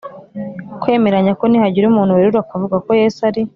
kwemeranya ko nihagira umuntu werura akavuga ko Yesu ari